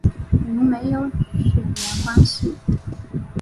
我们没有血缘关系